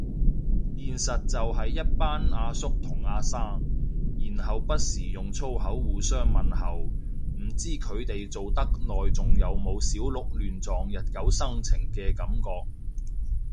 現實就係一班阿叔同阿生，然後不時用粗口互相問候，唔知佢哋做得耐仲有冇小鹿亂撞日久生情嘅感覺